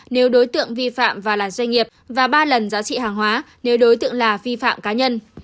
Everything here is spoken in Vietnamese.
nếu đối tượng vi phạm và là doanh nghiệp và ba lần giá trị hàng hóa nếu đối tượng là vi phạm cá nhân